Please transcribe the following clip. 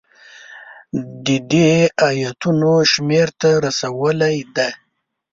د دې ایتونو شمېر ته رسولی دی.